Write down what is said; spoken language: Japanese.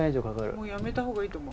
もうやめた方がいいと思う。